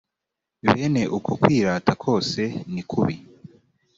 bene uko kwirata kose ni kubi.